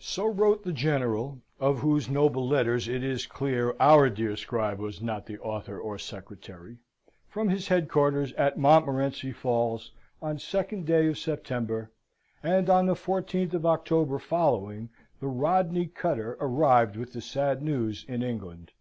So wrote the General (of whose noble letters it is clear our dear scribe was not the author or secretary) from his headquarters at Montmorenci Falls on 2nd day of September; and on the 14th of October following, the Rodney cutter arrived with the sad news in England.